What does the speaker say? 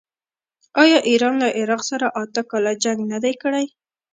آیا ایران له عراق سره اته کاله جنګ نه دی کړی؟